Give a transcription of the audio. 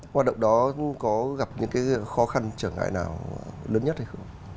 hoạt động đó có gặp những cái khó khăn trở ngại nào lớn nhất hay không